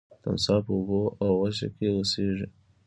تمساح په اوبو او وچه کې اوسیږي